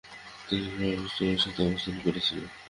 তিনি লর্ড আর্মস্ট্রংয়ের সাথে অবস্থান করেছিলেন।